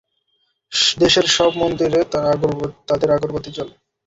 দেশের সব মন্দিরে তাদের আগরবাতি জ্বলে।